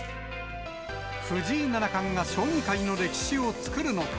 藤井七冠が将棋界の歴史を作るのか。